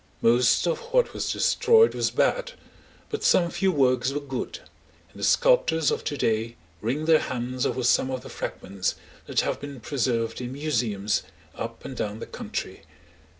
Most of what was destroyed was bad, but some few works were good, and the sculptors of to day wring their hands over some of the fragments that have been preserved in museums up and down the country.